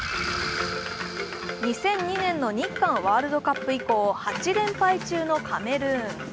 ２００２年の日韓ワールドカップ以降８連敗中のカメルーン。